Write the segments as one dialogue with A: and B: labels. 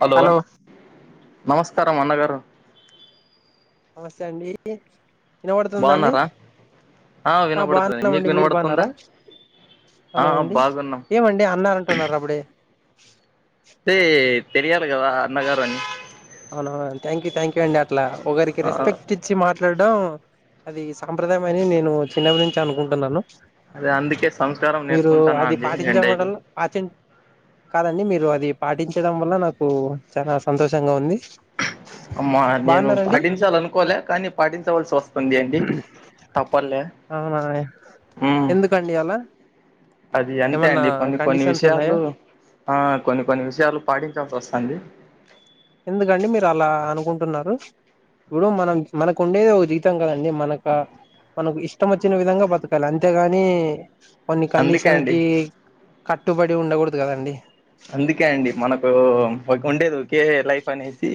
A: Hello నమస్కారం అన్నగారు.
B: నమస్తే అండి. ఇనబడ్తుందా అండి,
A: బాగున్నారా
B: ఆ
A: వినబడుతుంది మీకు
B: బాగున్నామండి మీరు
A: వినబడుతుందా
B: బాగున్నారా.
A: ఆ
B: హాలో అండి,
A: బాగున్నాం
B: ఏమండి అన్న అంటున్నారు అపుడే.
A: తే తెలియాలీ గదా, అన్నగారు అని.
B: అవునావును అండి థ్యాంక్యూ, థ్యాంక్యూ అండి అట్లా. ఒకరికి
A: ఆ
B: రెస్పెక్ట్ ఇచ్చి మాట్ మాట్లాడడం, అది సాంప్రదాయం అని నేను చిన్నప్పట్ నుంచి అనుకుంటున్నాను.
A: అదే అందుకే సంస్కారం
B: మీరు
A: నేర్చుకుంటాన్నా
B: అది,
A: అండి నేను డైలీ
B: పాటించమడల్ల పాటించ్ కాదండి మీరు అది పాటించడం వల్ల, నాకు చాల సంతోషంగా ఉంది.
A: అమ్మా నేను
B: బాగున్నారండి
A: పాటించాలనుకోలే కానీ పాటించవలసి వస్తుంది అండి తప్పల్లే
B: అవునా ఎందుకండి అలా
A: అది అంతే
B: ఏమన్నా
A: అండి కొన్ని కొన్ని
B: కండిషన్స్ ఉన్నాయా
A: విషయాలూ ఆ కొన్ని కొన్ని విషయాలు పాటించాల్సొస్తుంది
B: ఎందుకండి మీర్ అలా అనుకుంటున్నారు ఇప్పుడు మనం మనకు ఉండేదె ఒక జీతం కదండి మనక మనకు ఇష్టం ఒచ్చిన విధంగా బతకాలి అంతేగానీ కొన్ని
A: అందుకే
B: కండిషన్
A: అండి
B: కీ కట్టుబడి ఉండగూడదు గదండి
A: ఒ ఉండేదొకే లైఫ్ అనేేసీ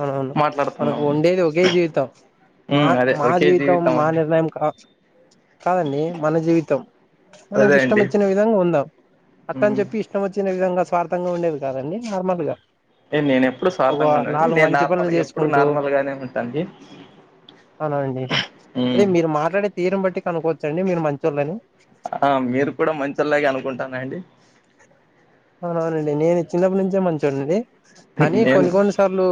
B: అవునవును మనకు ఉండేది ఒకే జీవితం మా
A: ఉమ్ అదే
B: మా
A: ఒకే
B: జీవితం మా
A: అండి
B: నిర్ణయం కా కాదండీ మన జీవితం
A: అదే
B: మనకి ఇష్టం
A: అండి
B: ఒచ్చిన విధంగ ఉందాం అట్టాని
A: ఉమ్
B: చెప్పి ఇష్టం ఒచ్చిన విధంగా స్వార్థంగా ఉండేవి కాదండి నార్మల్ గా
A: ఏ నేన్ ఎప్పుడు
B: ఒక
A: స్వార్థంగా ఉండండి
B: నాలుగు
A: నేన్
B: మంచి పనులు
A: నార్మల్ ఎప్పుడు
B: చేసుకుంటూ
A: నార్మల్ గానే ఉంటాండి
B: అవునండి అదే
A: ఉమ్
B: మీరు మాట్లాడే తీరున్ బట్టి కనుక్కోచ్చండి మీరు మంచోళ్ళని
A: ఆ మీరు కూడా మంచోల్లాగె అనుకుంటానండి
B: అవున్ అవునండి నేను చిన్నప్ప నుంచే మంచొడండి కానీ
A: నేను
B: కొన్ని కొన్ని సార్లూ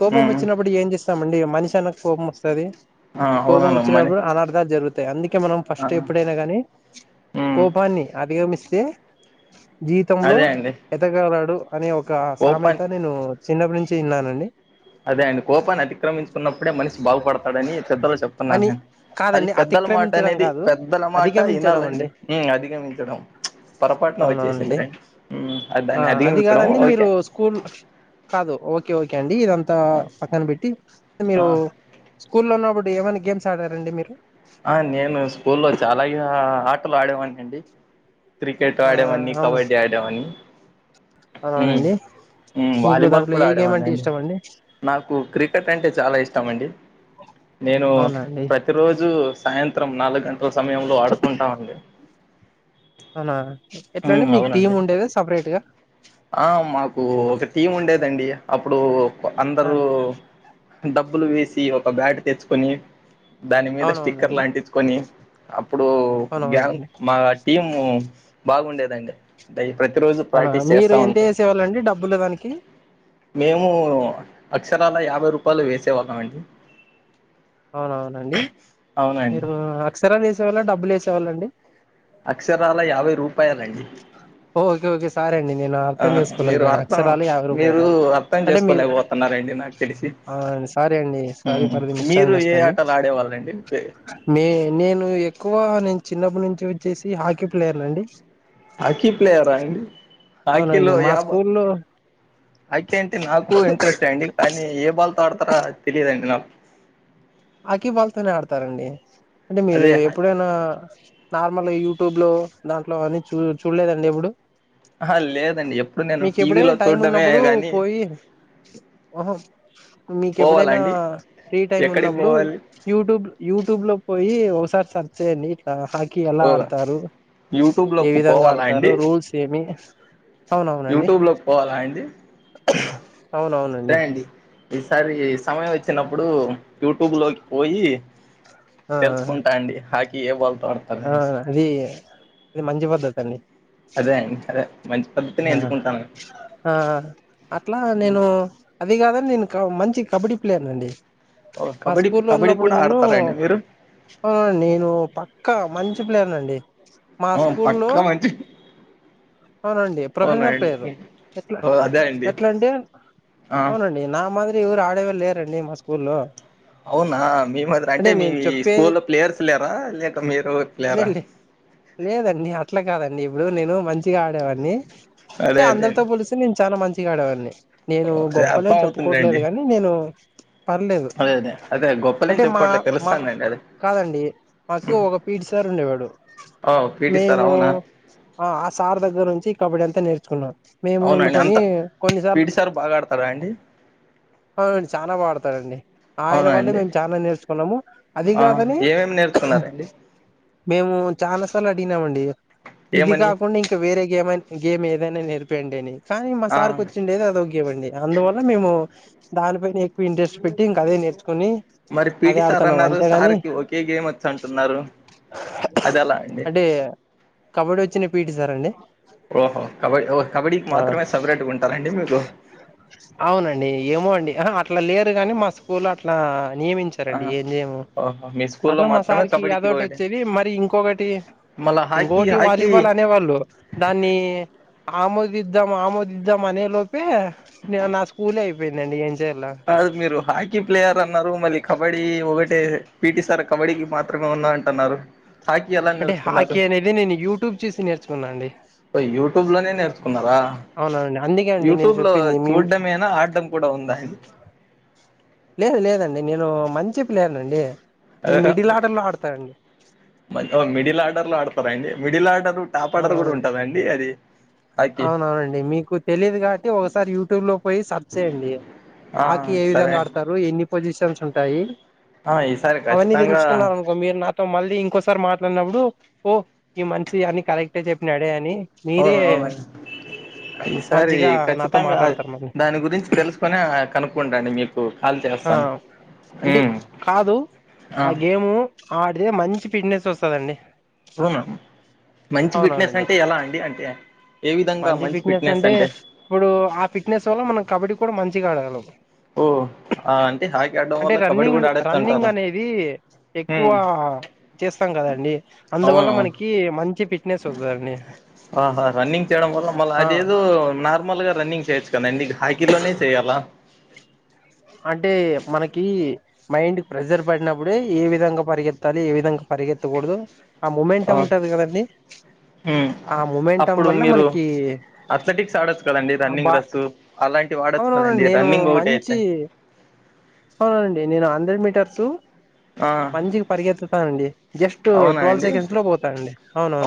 B: కోపం
A: ఉమ్
B: ఒచ్చినప్పుడు ఏం చేస్తామండి మన్షి అనాక కోపం ఒస్తది
A: ఆ
B: కోపం
A: అవుననమ్మని
B: ఒచ్చినప్పుడు అనార్థం జరుగుత్ అందుకె మనం
A: ఆ
B: ఫస్ట్ ఎప్పుడైన గాని
A: ఉమ్
B: కోపాన్ని అధిగమిస్తే జీవితంలో
A: అదే అండి
B: ఎదగలడు అనె ఒకా సామెత
A: కోపాన్ని
B: నేనూ చిన్నప్ప నుంచి ఇన్నానండి
A: అదే అండి కోపాన్ని అతిక్రమించుకున్నప్పుడే మనిస్ బాగుపడతాడని పెద్దలు
B: అని
A: చెప్తున్నారు అది
B: కాదండి
A: పెద్ద దల
B: అతిక్రమించడం
A: మాటనేది
B: కాదు
A: పెద్దల మాట
B: అధిగమించడం
A: ఇనాలండి
B: అండి
A: అధిగమించడం పొరపాటున వచ్చేసి
B: అవునవునండి ఆ అది గాదండి మీరు
A: ఓకే
B: స్కూల్ కాదు ఓకే ఓకే అండి ఇదంతా
A: ఆ
B: పక్కన్ బట్టి
A: ఆ
B: మీరూ స్కూల్ లో ఉన్నప్పుడ్ ఏమన గేమ్స్ ఆడారండి మీరు
A: ఆ నేనూ స్కూల్లో చాలా యా ఆటలు ఆడేవాని అండి క్రికెట్
B: ఆ
A: ఆడేవాన్ని
B: అవును
A: కబడ్డీ ఆడేవాన్ని మ్
B: అవునండి
A: మ్
B: మీకు
A: వాలీబాల్
B: దాంట్లో
A: కుడా
B: ఏ గేమ్
A: ఆడేవాని
B: అంటే
A: అండి
B: ఇష్టం
A: నాకు క్రికెట్ అంటే చాలా ఇష్టం అండి నేనూ
B: అవునా అండి
A: ప్రతిరోజూ సాయంత్రం నాలుగ్ గంటల్ సమయంలో ఆడుతుంటామండి
B: అనా
A: మ్ అవునండి ఆ మాకూ ఒక టీమ్ ఉండేదండి అప్ పుడూ
B: ఆ
A: అందరూ డబ్బులు వేసి ఒక బ్యాట్ తెచ్చుకొని దాని మీద స్టిక్కర్
B: అవునవునండి
A: లాంటించుకొని అప్పుడూ గ్యాన్
B: అవునవునండి
A: మా టీమూ బాగుండేదండి డై
B: అనా
A: ప్రాక్టీస్
B: మీరు
A: చేస్తా
B: ఎంతేసేవాళ్ళండి డబ్బులు దానికి
A: మేమూ అక్షరాల యాభై రూపాలు వేసేవాళ్ళం అండి
B: అవునవునండి
A: అవునండి
B: మీరూ అక్షరం వేసేవాళ్ళ డబ్బుల్ ఏసేవాళ్ళ అండి
A: అక్షరాల యాబై రూపాయల్ అండి
B: ఓకే ఓకె సారే అండి నేను అర్థం
A: మీరు
B: చేసుకోలేకపోయాను
A: అర్థం
B: అక్షరాలు యాభై
A: మీరు
B: రూపాయలు
A: అర్థం
B: అంటె మీరు
A: చేసుకోలేకపోతున్నారండి నాకు తెలిసి
B: ఆ సారీ అండీ సారీ
A: మ్మ్
B: పది నిమిషాల్
A: మీరు ఏ ఆటలు ఆడేవాళ్ళండి
B: నె నేను ఎక్కువా నెన్ చిన్నపుడ్ నుంచి ఒచ్చేసి హాకీ ప్లేయర్లండి
A: హాకీ ప్లేయరా అండి
B: అవునండి
A: హాకీలో
B: మా
A: యాభ
B: స్కూల్లో
A: ఆకీ అంటె నాకు ఇంట్రెస్టె అండి కానీ ఏ బాల్తో ఆడ్తారా తెలిదండి నాకు
B: ఆకీ బాల్తోనె ఆడ్తారండి అంటె మీరూ
A: అదే
B: ఎప్పుడైనా నార్మల్గా యూట్యూబ్ లో దాంట్లో అని చూ చూడ్లేదండి ఎప్పుడు
A: ఆహా లేదండి ఎప్పుడు నేను
B: మీకెప్పుడై
A: టీవీలో
B: టైం
A: చూడ్డమే
B: ఉన్నప్పుడూ
A: గాని
B: పోయి హో మీకెప్పుడైనా
A: పోవాలండి
B: ఫ్రీ టైమ్ ఉన్న
A: ఎక్కడికి
B: ప్పుడు
A: పోవాలి
B: యూట్యూబ్ యూట్యూబ్ లో పోయి ఒకసారి సర్చ్ చేయండి ఇట్లా హాక్ కి ఎలా
A: ఓ
B: ఆడతారు
A: యూట్యూబ్
B: ఏ
A: లోకి
B: విధంగా
A: పోవాలా
B: ఆడతారు
A: అండి
B: రూల్స్ ఏమి అవునవునండి
A: యూట్యూబ్ లోకి పోవాలా అండి
B: అవునవునండి
A: సరే అండి ఈసారి సమయం వచ్చినప్పుడు యూట్యూబ్ లోకి పోయి
B: ఆ ఆ
A: తెలుసుకుంటా అండి హకీ ఏ బల్త
B: ఆ అది అది మంచి పద్ధతి అండి
A: అదే అదే మంచి పద్ధతినే
B: ఆ
A: ఎంచుకుంటాను
B: ఆ అట్లా నేను అది కాదండి నేను మంచి కబడ్డీ ప్లేయర్ అండి
A: ఓ
B: మా
A: కబడ్డీ
B: స్కూల్ లో
A: కబడ్డీ
B: ఉన్నప్పుడు
A: కూడా
B: నేను
A: ఆడతారా అండి మీరు
B: అవునండి నేను పక్కా మంచి ప్లేయర్నండి మా
A: ఆ,
B: స్కూల్ లో
A: పక్కా మంచి
B: అవునండి
A: అవునా
B: ప్రొఫెషనల్
A: అండి
B: ప్లేరు ఎట్లా
A: ఓ అదే అండి
B: ఎట్లాంటే
A: ఆ
B: అవునండి నా మాదిరి ఇవరు ఆడేవళ్ళ లేరండి మా స్కూల్లో
A: అవునా మీ మాదిరి అంటే మీ
B: నేను
A: స్కూల్
B: చెప్పేది
A: లో ప్లేయర్స్ లేరా లేక మీరు
B: లే
A: ప్లేరా
B: లే లేదండి అట్లాగాద్ ఇప్పుడు నేను మంచిగా ఆడేవాడిని
A: అదే అదే
B: అందరితో
A: అండి
B: పోలిస్తే నేను చాలా మంచిగా ఆడేవాడిని నేను
A: అదే
B: గొప్పలే
A: అర్థం
B: అని చెప్పుకోవట్లేదు
A: అవుతుందిలేండి
B: గాని నేను పర్లేదు
A: అదే అదే అదే గొప్పలేం
B: అంటే మా
A: చెప్పుకోవట్లే
B: మా
A: తెలుస్తానులేండి అదే
B: కాదండి మాకు ఒక పీడిస్ రుండేవాడు
A: ఓ పీటీ సార్
B: మేము
A: అవునా
B: ఆ సార్ దగ్గర నుంచి కబడ్డీంతా నేర్చుకున్నాం మేము
A: అవునండి
B: వండుకొని
A: అంత
B: కొన్నిసార్లు
A: పీటీ సార్ బాగా ఆడతాడా అండి
B: అవునండి చాలా బా ఆడతాారండి ఆయన
A: అవునా
B: వల్లే
A: అండి
B: మేము చాల నేర్చుకున్నాము అది కాదని
A: నేర్చకున్నారండి
B: మేము చాలా సార్లు అడిగినమండి
A: ఏ మనీ
B: వేరే గేమ గేమ్ ఏదైనా నేరపియండి అని కానీ మా
A: ఆ
B: సార్కి వచ్చిండే ద అదోగేమండి అందువల్ల మేము దానిపై ఎక్వ ఇంట్రెస్ట్ పెటి ఇం అదేనేర్చు
A: మరి పిటి సార్ అన్నారు సార్కి ఒకే గేమ్ వచ్చు అంటున్నారు అది ఎలా అండి
B: అంటే కబడ్డీ వచ్చిన పి
A: ఓహో కబడ్డీ ఓ కబడ్డీకి మాత్రమే సపరేట్గా ఉంటారండి మీకు
B: అవునండి ఏమో అండి అట్లా లేరు గాని మా స్కూల్ లొ. అట్లా
A: ఆ
B: నియమించారండి ఏం చేయము
A: ఓహో మీ స్కూల్లో
B: అట్లా మా
A: మాత్రమే
B: సారికి అదోటి వచ్చేది మరి ఇంకొకటి
A: మల్ల హాకి హాకి
B: వాళ్ళు అనేవాళ్ళు దాన్ని ఆమోదిద్దాం ఆమోదిద్దాం అనే లోపు నా స్కూలే అయిపోయిందండి ఏ
A: అ మీరు హాకీ ప్లేయర్ అన్నారు మలి కబడ్డీ ఒకటే పిటి సార్ కబడ్డీకి మాత్రమే ఉన్నా అంటున్నారు హాకీ ఎలా
B: అంటే
A: నేర్చుకున్నారు
B: హాకీ అనేది నేను యూట్యూబ్ చూసి నేర్చుకున్నా అండి
A: ఓ యూట్యూబ్ లోనే నేర్చుకున్నారా
B: అవునండి అందుకే అండి నేను
A: యూట్యూబ్ లో
B: చెప్పింది మీ
A: చూడ్డమేనా ఆడడం కూడా ఉందా అండి
B: లేదు లేదండి నేను మంచి ప్లేయర్నండి
A: మిడిల్ ఆర్డర్ లో ఆడు టారండి మిడిల్ ఆర్డరు టాప్ ఆర్డర్ కూడా
B: అవునవునండి
A: ఉంటద అండి డి అది హాకీ
B: అవునవునండి మీకు తెలీయదు కాబట్టి ఒకసారి యూట్యూబ్ లో పోయి సర్చ్ చేయండి
A: ఆ
B: హాకీ ఏ
A: సరే
B: విధంగా ఆడతారు ఎన్ని పొజిషన్స్ ఉంటాయి
A: ఆ ఈసారి
B: అవన్నీ
A: ఖచ్చితంగా
B: తెలుసుకున్నారు అనుకో మీరు నాక్ తో మళ్ళీ ఇంకోసారి మాట్లాడినప్పుడు ఓ ఈ మంచి అని కరెక్టే చెప్పినాడే అని మీరే
A: అవును అవునండి ఈసారి
B: మంచిగా నాతో
A: ఖచ్చితంగా
B: మాట్లాడతారు మళ్ళీ
A: దాని గురించి తెలుసుకుొనే కనుక్కుంట ఉండండి మీరు
B: అహ్ అంటే కాదు ఆ గేము ఆడితే మంచి ఫిట్నెస్ వస్తాడండి
A: అవునా మంచి ఫిట్నెస్ అంటే ఎలా అండి అంటే
B: మంచి ఫిట్నెస్ అంటే ఇప్పుడు ఆ ఫిట్నెస్ వల్ల మనం కబడ్డీ కూడా మంచిగా ఆడగలమ్
A: ఓహ్ ఆహ్
B: అంటే రన్నింగ్ రన్నింగ్ అనేది ఎక్కువ
A: ఉమ్
B: చేస్తాం కదండి అందువల్ల
A: అవును
B: మనకి మంచి ప
A: ఆహా రన్నింగ్ చేయడం వల్ల మళ్ళ
B: ఆ
A: అది ఏదో నార్మల్గా రన్నింగ్ చేయొచ్చు కదండి హాకీలోనే చేయ్యాలా
B: అంటే మనకి మైండ్ ప్రెజర్ పడినప్పుడే ఏ విధంగా పరిగెత్తాలి ఏ విధంగా పరిగెత్తగుడదు ఆ మూవ్మెంటుంమ్ ఉంటది కదండీ
A: ఉమ్
B: ఆ మొమెంటమ్ వల్ల మనకి
A: అథలెటిక్స్ ఆడొచ్చు కదండి
B: ఆ
A: రన్నింగ్
B: బా
A: రేసు అలాంటివి ఆడొచ్చు కదండడి రన్నింగ్ ఒకటి అయితే
B: అవుననండి నేను హండ్రెడ్ మీటర్స్
A: ఆ
B: పంచికి పరిగెత్తుతానండి జస్ట్ ట్వెల్వ్ సెకండ్స్ లో పోతానండి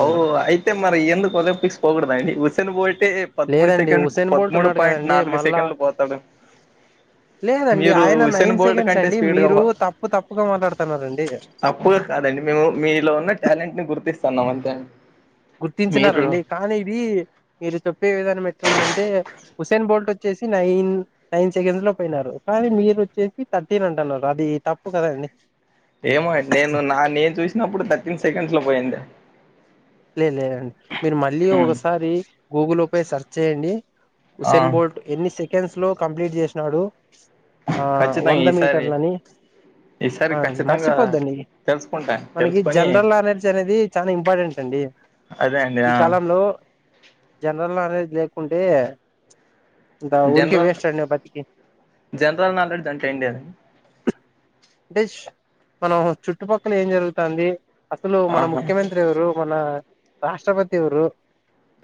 A: అఓ అయితే మరి ఎందుకు ఒలింపిక్స్ పొగడ ఆండీ ఉుసెన్ బో అయితే పదమూడు
B: లేదండి
A: సెకండ్
B: హుసేన్ బోల్ట్
A: పదమూడు
B: ఉన్నాడు
A: పాయింట్
B: కదండి
A: నాలుగు
B: మళ్ళా
A: సెకండ్లు పోతాడు
B: లేదండి
A: మీరు
B: ఆయన
A: ఉసేన్
B: నైన్
A: బోల్ట్
B: సెకండ్స్
A: కంటే
B: అండి
A: స్పీడ్ గా
B: మీరు
A: పో
B: తప్పు తప్పుగా మాట్లాడుతున్నారండి
A: తప్పుగ కాదండి మేము మీలో ఉన్న టాలెంట్ ని గుర్తిస్తున్నాం అంతే మీరు
B: గుర్తించినారంండి కానీ ఇది మీరు చెప్పే విధానం నీ బట్టి ందంటే హుస్సేన్ బోల్ట్ వచ్చేసి నైన్ నైన్ సెకండ్స్ లో పోయినారు కానీ మీరు వచ్చేసి ధర్టీన్ అంటున్నారు అది తప్పు కదా అండి
A: ఏమో నేను నా నేను చూసినప్పుడు థర్టీన్ సెకండ్స్ లో పోయింది
B: లే లేదండి మీరు మళ్ళీ
A: ఉమ్,
B: ఒకసారి గూగుల్ సెర్చ్ చేయండి
A: ఆ
B: హుస్సేన్ బోల్ట్ ఎన్ని సెకండ్స్ లో కంప్లీట్ చేసినాడు అహ్
A: ఖచ్చితంగా
B: వంద మీటర్
A: ఈసారి
B: లని
A: ఈసారి
B: అవునండి
A: ఖచ్చితంగా
B: మర్చిపోద్దండి
A: తెలుసుకుంటా
B: మనకి
A: తెలుసుకొని
B: జనరల్ నాలెడ్జ్ అనేది చాలా ఇంపార్టెంట్ ండి
A: అదే అండి
B: ఈ
A: ఆ
B: కాలంలో జనరల్ నాలెడ్జ్ లేకుంటే ఊరికిే
A: జనరల్
B: వేస్ట్ అండి బతికి
A: జనరల్ నాలెడ్జ్ అంటే ఏంటి అది
B: డిష్ [inaudible] మనం చుట్టుపక్కల ఏం జరుగుతంది అసలు మన
A: ఆహా
B: ముఖ్యమంత్రి ఎవరు మన రాష్ట్రపతి ఎవరు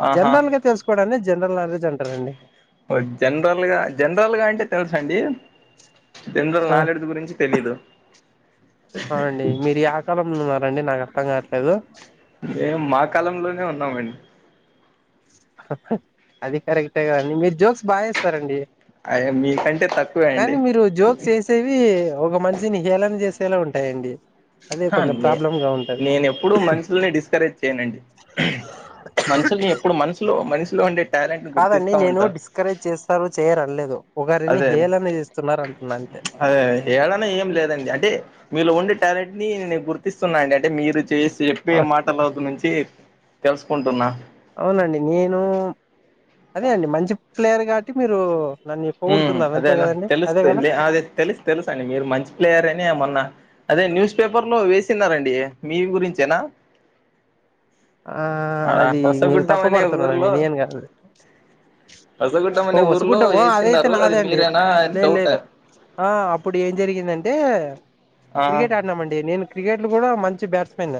A: ఆహా
B: జనరల్ గా తెలుకోడానే జనరల్ అ
A: జనరల్గా జనరల్గా అంటే తెలుసా అండి
B: హ ఆండీ మీరు యకాలంలో ఉన్నారు ఆండీ నాకు అర్ధం గావెట్లేదు
A: ఏమ్ మా కాలంలోనే ఉన్నామండి
B: ఆహ్హ్ అది కరెక్టేగాన్డి మీరు జోక్స్ బాగా జేస్తారండి
A: అయ మీకంటే తక్కువే అండి
B: కానీ మీరు జోక్చేసేవి ఒక మనిషిని హేళన జేసేలా ఉంటాయండి
A: ప్చ్
B: అదే
A: హ
B: కొంచెం
A: నేన్
B: ప్రాబ్లం గా ఉంటది
A: నేను ఎప్పుడూ మనుషుల్ని డిస్కరేజ్ చేయను అండి మనుషుల్ని ఎప్పుడు మనసులో మనుషులో ఉండే టాలెంట్ ని
B: కాదండి
A: గుర్తిస్తా
B: నేను
A: ఉంటాను
B: డిస్కరేజ్ జేస్తారు చేయరు అన్లేదు ఒకరిని
A: అదే
B: హేళన జేస్తున్నారు అంటున్నా అంతే
A: అదే అదే హేళన ఏం లేదండి అంటే మీలో ఓన్లీ టాలెంట్ ని నే గుర్తిస్తున్నా అండి అంటే మీరు చేసి చెప్పే మాటల నుంచి తెల్సుకుంటున్నా
B: అవునండి నేను అదే అండి మంచి ప్లేయర్ కాబట్టి మీరు నన్ను
A: ఉమ్
B: పొగుడుతున్నారు
A: అదే
B: అంతే కదండి
A: తెలుసు
B: అదే కదా
A: అదే తెలుసు తెలుసు అండి మీరు మంచి ప్లేయరే అని మొన్న అదే న్యూస్ పేపర్లో వేసున్నారన్డి మీ గురించేనా
B: ఆ అది మీరు
A: హొసగుడ్డం అనే
B: తప్పబడుతున్నారండి
A: ఊర్లో
B: నేను గాదు
A: హొసగుడ్డం
B: ఓ
A: అనే ఊర్లో
B: వసుగుడ్డ ఒ అదైత్ తే
A: వేసిన్నారు అది
B: నాదేన్డి
A: మీరేనా అని
B: లేదు
A: డౌట్
B: లేదు ఆ అప్పుడు ఏం జరిగిందంటే
A: ఆ
B: క్రికెట్ ఆడినామండి నేను క్రికెట్లు కూడా మంచి బ్యాట్స్మెన్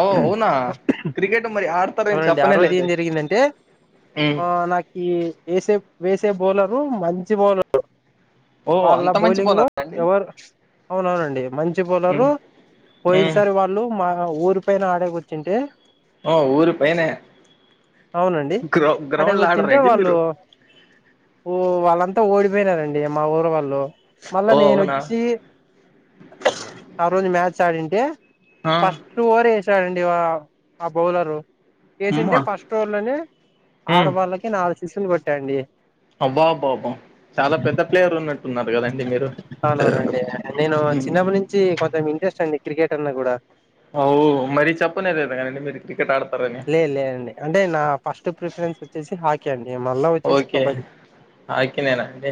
A: అవ్ అవునా క్రికెట్ మరి ఆడతారని
B: అవునండి ఆ
A: చెప్పనే
B: రోజు ఏం
A: లేదే
B: జరిగిందంటే
A: ఉమ్
B: ఆ నాకి ఏసేపు వేసేపు బొలరు మంచి బొలరు
A: ఓ
B: వాళ్ళ
A: అంత మంచి
B: బౌలింగ్లో
A: బౌలరా అండి
B: ఎవరు అవునవునండి మంచి
A: ఉమ్
B: బౌలరు
A: ఉమ్
B: పోయిన్సారి వాళ్ళు మా ఊరి పైన ఆడేకి వచ్చింటే
A: ఓ ఊర్ పైనే
B: అవునండి
A: గ్రౌ గ్రౌండ్ లో
B: అడకొచ్చింటే
A: ఆడరండి
B: వాళ్ళు
A: మీరు
B: ఓ వాళ్ళంతా ఓడిపోయ్నారన్ డి మా ఊరు వాళ్ళు మళ్ళా
A: ఓ
B: నేను
A: అవునా
B: వచ్చి ఆ రోజు మ్యాచ్ చడన్టే
A: ఆ
B: ఫస్ట్ ఓవర్ వేసాడన్డి ఆ ఆ బౌలరు
A: అమ్మ
B: వేసింటే ఫస్ట్ ఓవ్ర్ లోనే ఆరు
A: ఉమ్
B: బాళ్ళకి నాలుగు సిక్సులు కొట్ట అండి
A: అబ్బా అబ్బా అబ్బా చాలా పెద్ద ప్లేయర్ ఉన్నట్టున్నారు కదన్డి మీరు
B: అవునవునండి నేను
A: ఉమ్.
B: చిన్నప్పటి నుంచి కొంచెం ఇంట్రెస్ట్ అన్డి క్రికెట్ అన్నగూడా
A: అవ్ మరీ చెప్పలేదాండి మీరు కిక్
B: లేద్ లేదండి అంటే నా ఫస్ట్ ప్రిఫరెన్స్ వచ్చేసి హాకి
A: ఓకే హకినేనా అండి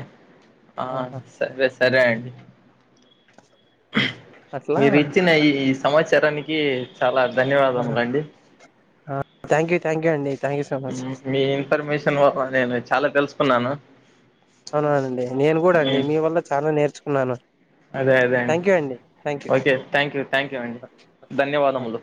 A: ఆ
B: ఆహా
A: సరే సరే అన్డి
B: అట్లా
A: మీరు ఇచ్చిన ఈ సమాచారాణి కి చాలా ధన్యవాదములన్డి
B: థ్యాంక్యూ థ్యాంక్యూ అండి thank you so much
A: um మీ ఇన్ఫర్మేషన్ వల్ల నేను చాలా తెల్సుకున్నాను
B: అవునవునండి నేను గూడా అండి మీ వల్ల చాలా నేర్చుకున్నాను
A: అదే అదే అండి
B: thank you thank you
A: okay thank you thank you అండి
B: ఆ
A: ధన్యవాదములు